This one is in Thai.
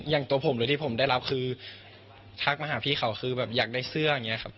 อย่างตัวผมหรือที่ผมได้รับคือทักมาหาพี่เขาคือแบบอยากได้เสื้ออย่างนี้ครับ